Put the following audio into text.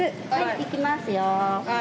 行きますよ。